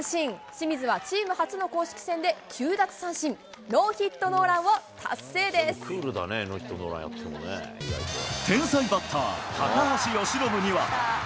清水はチーム初の公式戦で９奪三振、ノーヒットノーランを達成でクールだね、天才バッター、高橋由伸には。